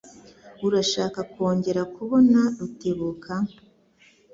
Urashaka kongera kubona Rutebuka?